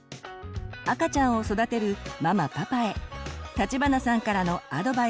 赤ちゃんを育てるママパパへ立花さんからのアドバイスです。